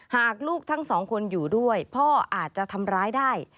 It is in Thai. หากลูกทั้งสองคนอยู่ด้วยพ่ออาจจะทำร้ายได้